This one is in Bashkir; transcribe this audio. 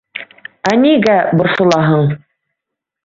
Ә нигә борсолаһың?